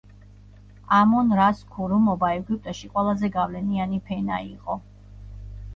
ამონ-რას ქურუმობა ეგვიპტეში ყველაზე გავლენიანი ფენა იყო.